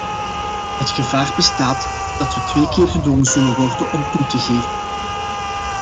Het gevaar bestaat dat we twee keer gedwongen zullen worden om toe te geven.